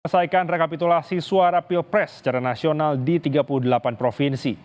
selesaikan rekapitulasi suara pilpres secara nasional di tiga puluh delapan provinsi